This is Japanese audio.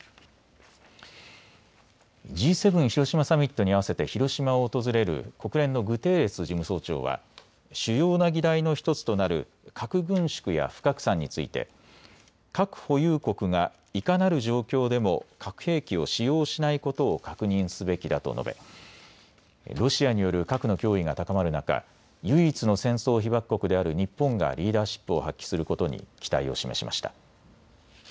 Ｇ７広島サミットに合わせて広島を訪れる国連のグテーレス事務総長は主要な議題の１つとなる核軍縮や不拡散について核保有国がいかなる状況でも核兵器を使用しないことを確認すべきだと述べ、ロシアによる核の脅威が高まる中、唯一の戦争被爆国である日本がリーダーシップを発揮することに期待を示しました。